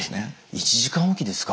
１時間おきですか。